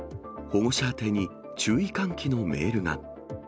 保護者宛てに注意喚起のメールが。